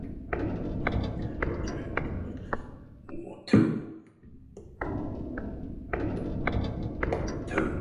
When disturbed, they may play dead in order to confuse potential predators.